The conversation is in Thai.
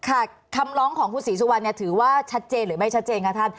คำร้องของคุณศรีสุวรรณเนี่ยถือว่าชัดเจนหรือไม่ชัดเจนคะท่าน